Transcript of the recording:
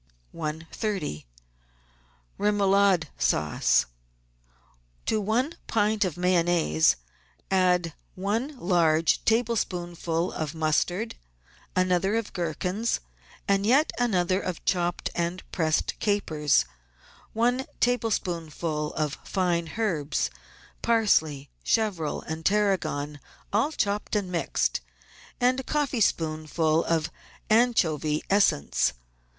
130— REMOULADE SAUCE To one pint of Mayonnaise add one large tablespoonful of mustard, another of gherkins, and yet another of chopped and pressed capers, one tablespoonful of fine herbs, parsley, chervil, and tarragon, all chopped and mixed, and a coffeespoonful of anchovy essence.